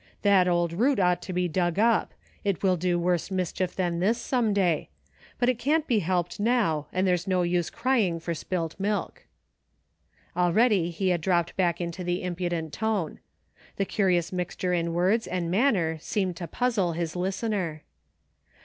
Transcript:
That old root ought to be dug up ; it will do worse mischief than this, some day. But it can't be helped now, and there's no use crying for spilt milk." Already he had dropped back into the impudent tone. The curious mixture in words and manner seemed to puzzle his listener.